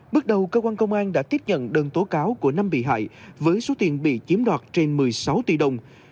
bước đầu cơ quan công an đã tiếp nhận đơn tố cáo của năm bị hại với số tiền bị chiếm đoạt trên một mươi sáu tỷ đồng